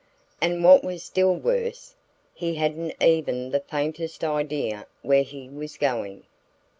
And what was still worse, he hadn't even the faintest idea where he was going.